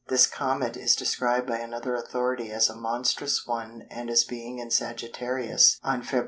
This Comet is described by another authority as a "monstrous" one and as being in Sagittarius on Feb.